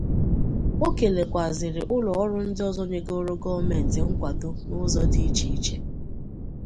O kelekwazịrị ụlọọrụ ndị ọzọ nyegoro gọọmenti nkwàdo n'ụzọ dị iche iche